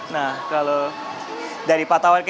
nah kalau dari pantauan